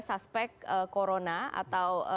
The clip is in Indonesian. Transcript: suspek corona atau